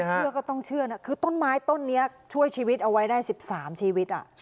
เชื่อก็ต้องเชื่อนะคือต้นไม้ต้นนี้ช่วยชีวิตเอาไว้ได้๑๓ชีวิต